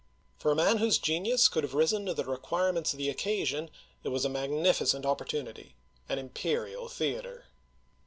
For a man whose ge nius could have risen to the requirements of the occasion it was a magnificent opportunity, an im perial theater.